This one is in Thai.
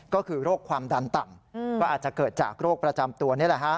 ก็คือโรคความดันต่ำก็อาจจะเกิดจากโรคประจำตัวนี่แหละฮะ